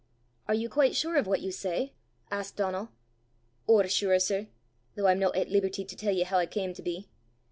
"Are you quite sure of what you say?" asked Donal. "Ower sure, sir, though I'm no at leeberty to tell ye hoo I cam to be.